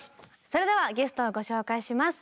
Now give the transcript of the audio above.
それではゲストをご紹介します。